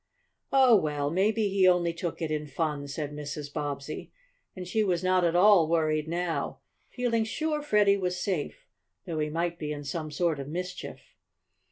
"Oh, well, maybe he only took it in fun," said Mrs. Bobbsey, and she was not at all worried now, feeling sure Freddie was safe, though he might be in some sort of mischief.